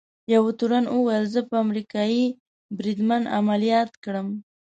یوه تورن وویل: زه به امریکايي بریدمن عملیات کړم.